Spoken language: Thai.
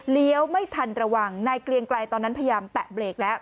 ไม่ทันระวังนายเกลียงไกลตอนนั้นพยายามแตะเบรกแล้ว